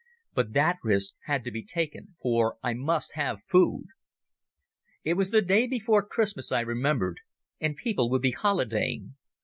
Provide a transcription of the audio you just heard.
But that risk had to be taken, for I must have food. It was the day before Christmas, I remembered, and people would be holidaying.